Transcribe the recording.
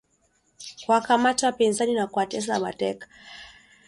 kuwakamata wapinzani na kuwatesa mateka